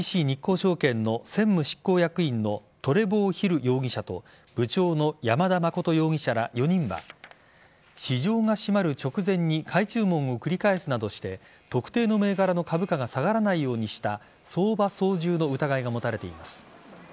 ＳＭＢＣ日興証券の専務執行役員のトレボー・ヒル容疑者と部長の山田誠容疑者ら４人は市場が閉まる直前に買い注文を繰り返すなどして特定の銘柄の株価が下がらないようにした相場操縦の疑いが持たれています。